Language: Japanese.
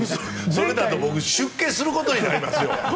それだと僕、出家することになりますよ。